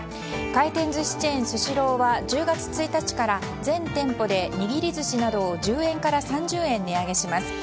回転寿司チェーンスシローは１０月１日から全店舗でにぎり寿司などを１０円から３０円値上げします。